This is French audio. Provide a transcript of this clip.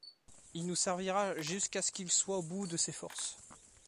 Il nous servira jusqu’à ce qu’il soit au bout de ses forces.